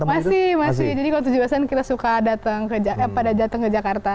masih masih jadi kalau tujuan tujuan kita suka datang pada datang ke jakarta